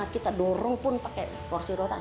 kita dorong pun pakai porsi rora